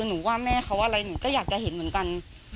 หนูว่าแม่เขาอะไรหนูก็อยากจะเห็นเหมือนกัน